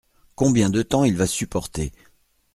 Combien de temps il va supporter ?